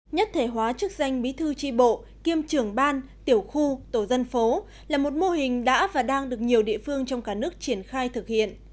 nhất thể hóa chức danh bí thư tri bộ kiêm trưởng ban tiểu khu tổ dân phố là một mô hình đã và đang được nhiều địa phương trong cả nước triển khai thực hiện